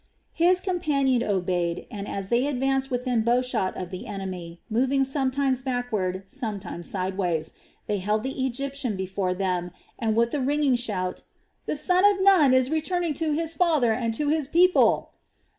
His companion obeyed, and as they advanced within bow shot of the enemy moving sometimes backward, sometimes sideways they held the Egyptian before them and with the ringing shout: "The son of Nun is returning to his father and to his people!"